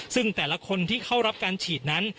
ซึ่งแต่ละคนที่เข้ารับการฉีดนั้น